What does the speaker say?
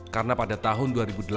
karena pada tahun dua ribu delapan belas